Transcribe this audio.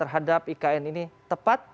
terhadap ikn ini tepat